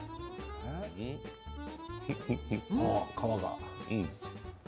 皮が。